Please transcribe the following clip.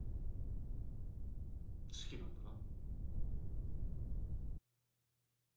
好きなんだな？